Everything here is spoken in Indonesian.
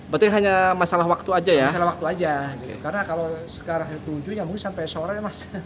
berarti hanya masalah waktu aja ya masalah waktu aja karena kalau sekarang tujuh ya mungkin sampai sore mas